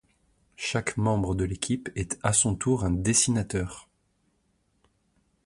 Chaque membre de l'équipe est à son tour un dessinateur.